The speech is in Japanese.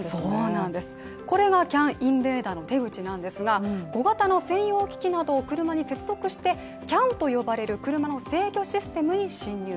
これがＣＡＮインベーダーの手口なんですが、小型の専用機器などを車に接続してＣＡＮと呼ばれる車の制御システムに侵入。